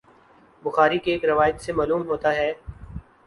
بخاری کی ایک روایت سے معلوم ہوتا ہے